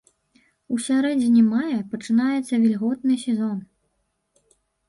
У сярэдзіне мая пачынаецца вільготны сезон.